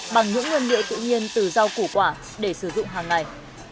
bằng những nguyên liệu tự nhiên từ rau củ quả để sử dụng hàng ngày